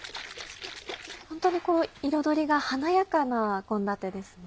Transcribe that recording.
ホントにこう彩りが華やかな献立ですね。